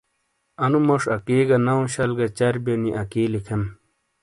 انو موش اکی گہ نو شل گہ چربِیو نی اکی لکھیم۔